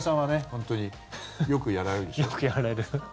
本当によくやられるでしょう？